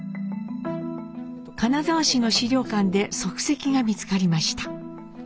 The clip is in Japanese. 金沢市の史料館で足跡が見つかりました。